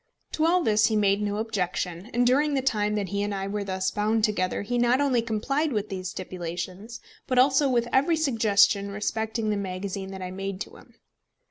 To all this he made no objection; and during the time that he and I were thus bound together, he not only complied with these stipulations, but also with every suggestion respecting the magazine that I made to him.